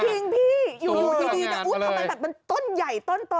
จริงพี่อยู่ดีมันต้นใหญ่ต้นต่อ